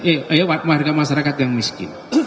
eh ayo warga masyarakat yang miskin